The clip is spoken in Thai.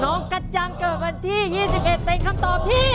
กระจังเกิดวันที่๒๑เป็นคำตอบที่